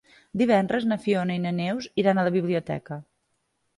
Divendres na Fiona i na Neus iran a la biblioteca.